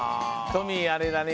トミーあれだね